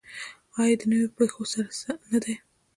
آیا د نویو پیښو سره نه دی؟